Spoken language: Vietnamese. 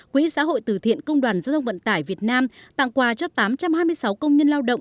quỹ xã hội từ thiện công đoàn giao thông vận tải việt nam tặng quà cho tám trăm hai mươi sáu công nhân lao động